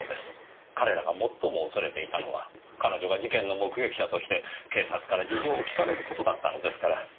彼らが最も恐れていたのは彼女が事件の目撃者として警察から事情を聞かれる事だったのですから。